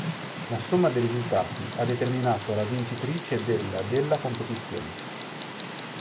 La somma dei risultati ha determinato la vincitrice della della competizione.